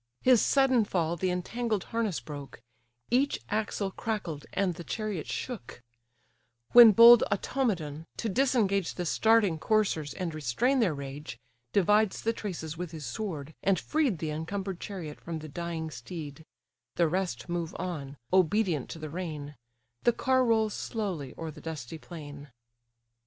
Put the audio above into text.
His sudden fall the entangled harness broke; Each axle crackled, and the chariot shook: When bold Automedon, to disengage The starting coursers, and restrain their rage, Divides the traces with his sword, and freed The encumbered chariot from the dying steed: The rest move on, obedient to the rein: The car rolls slowly o'er the dusty plain.